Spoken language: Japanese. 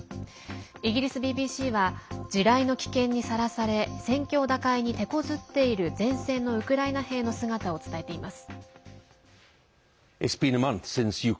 イギリスＢＢＣは地雷の危険にさらされ戦況打開にてこずっている前線のウクライナ兵の姿を伝えています。